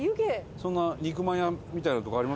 そんな肉まん屋みたいなとこあります？